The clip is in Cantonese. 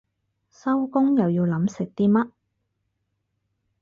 收工又要諗食啲乜